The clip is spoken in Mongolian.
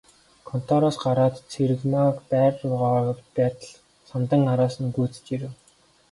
Контороос гараад Цэрэгмааг байр руугаа явж байтал Самдан араас нь гүйцэж ирэв.